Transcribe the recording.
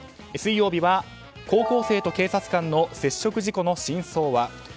水曜日は、高校生と警察官の接触事故の真相は？